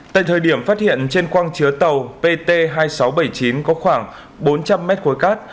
tại thời điểm phát hiện trên quang chứa tàu pt hai nghìn sáu trăm bảy mươi chín có khoảng bốn trăm linh mét khối cát